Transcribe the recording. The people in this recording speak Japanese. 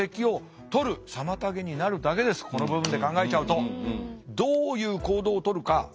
この部分で考えちゃうと。